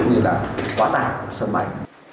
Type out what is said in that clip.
cũng như là quá tải sân bay